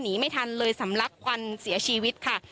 หนีไม่ทันเลยสำลักควันเสียชีวิตค่ะ